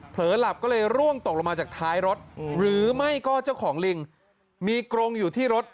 หลับก็เลยร่วงตกลงมาจากท้ายรถหรือไม่ก็เจ้าของลิงมีกรงอยู่ที่รถ